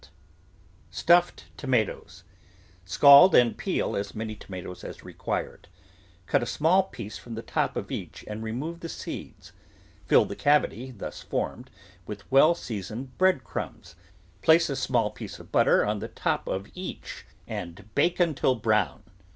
THE VEGETABLE GARDEN STUFFED TOMATOES Scald and peel as many tomatoes as required; cut a small piece from the top of each and remove the seeds; fill the cavity thus formed with well seasoned bread crumbs ; place a small piece of but ter on the top of each and bake until brown.